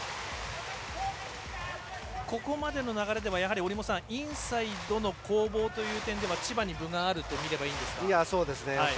ここまでの流れではインサイドの攻防という点では千葉に分があると見ればいいんですか。